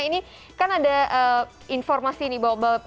ini kan ada informasi nih bawa bawa ini ya pak